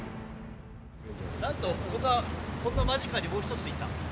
なんとこんなこんな間近にもう一ついた。